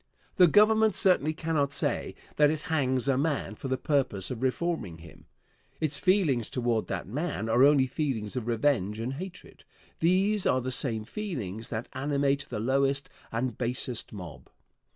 The Government certainly cannot say that it hangs a man for the purpose of reforming him. Its feelings toward that man are only feelings of revenge and hatred. These are the same feelings that animate the lowest and basest mob.